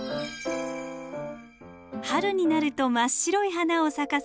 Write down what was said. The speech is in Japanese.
春になると真っ白い花を咲かせる